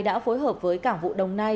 đã phối hợp với cảng vụ đồng nai